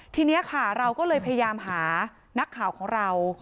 ทีนี้ค่ะเราก็เลยพยายามหานักข่าวของเรา